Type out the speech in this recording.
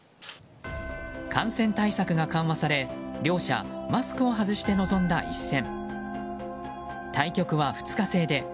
感染対策が緩和され両者マスクを外して臨んだ一戦。